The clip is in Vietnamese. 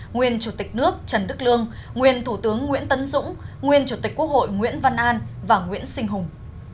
nguyên chủ tịch nước trần đức lương nguyên thủ tướng nguyễn tấn dũng nguyên chủ tịch quốc hội nguyễn văn an và nguyễn sinh hùng